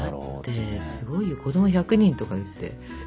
だってすごいよ子供１００人とかって。